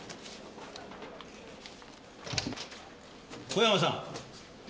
小山さん。